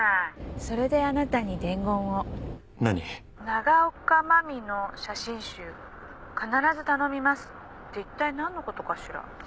「永岡真実の写真集必ず頼みます」って一体何のことかしら？